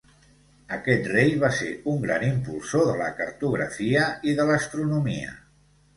Aquest rei va ser un gran impulsor de la cartografia i de l'astronomia.